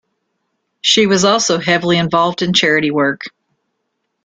She was also heavily involved in charity work.